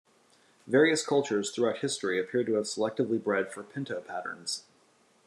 Various cultures throughout history appear to have selectively bred for pinto patterns.